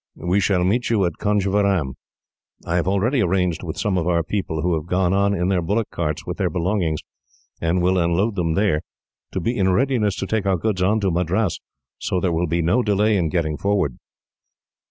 We shall meet you at Conjeveram. I have already arranged with some of our people, who have gone on in their bullock carts, with their belongings, and will unload them there, to be in readiness to take our goods on to Madras, so there will be no delay in getting forward."